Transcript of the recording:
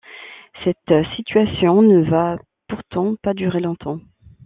Cette situation ne va pourtant pas durer longtemps.